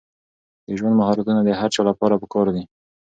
د ژوند مهارتونه د هر چا لپاره پکار دي.